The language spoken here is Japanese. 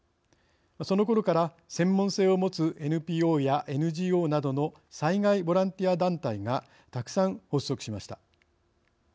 そのころから専門性を持つＮＰＯやＮＧＯなどの災害ボランティア団体がたくさん発足しました。